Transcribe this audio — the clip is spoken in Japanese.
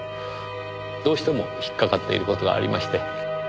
どうしても引っかかっている事がありまして。